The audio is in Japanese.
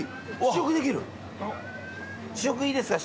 試食いいですか？